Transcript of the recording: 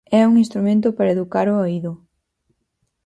É un instrumento para educar o oído.